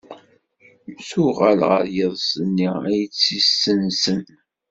Tuɣal ɣer yiḍes-nni i tt-yessensen.